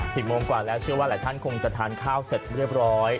โมงกว่าแล้วเชื่อว่าหลายท่านคงจะทานข้าวเสร็จเรียบร้อย